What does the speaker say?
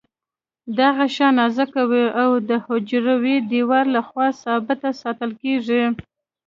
دا غشا نازکه وي او د حجروي دیوال له خوا ثابته ساتل کیږي.